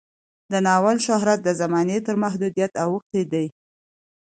د ناول شهرت د زمانې تر محدودیت اوښتی دی.